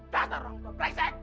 datar orang itu bresek